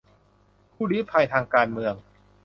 ผู้ลี้ภัยทางการเมือง